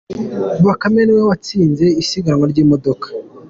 Bakame niwe watsinze isiganwa ry’imodoka